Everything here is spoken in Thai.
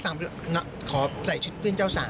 เสมอออกไปเสิดเพื่อนเจ้าสาว